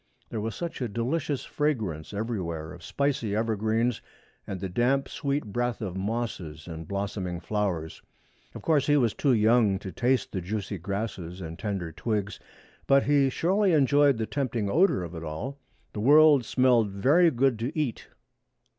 There was such a delicious fragrance everywhere of spicy evergreens and the damp sweet breath of mosses and blossoming flowers. Of course he was too young to taste the juicy grasses and tender twigs, but he surely enjoyed the tempting odor of it all. The world smelled very good to eat.